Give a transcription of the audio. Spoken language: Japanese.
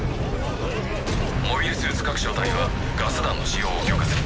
モビルスーツ各小隊はガス弾の使用を許可する。